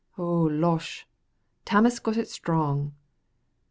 oh, losh! Tammas got it strong."